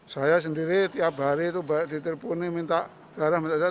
saya sendiri tiap hari itu banyak diterpon minta darah minta cahaya